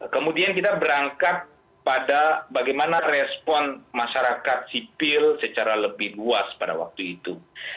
kemudian kita berangkat pada bagaimana respon masyarakat sipil secara lebih luas pada waktu itu